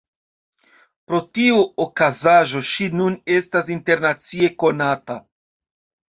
Pro tiu okazaĵo ŝi nun estas internacie konata.